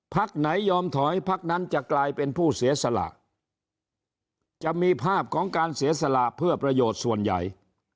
ไหนยอมถอยพักนั้นจะกลายเป็นผู้เสียสละจะมีภาพของการเสียสละเพื่อประโยชน์ส่วนใหญ่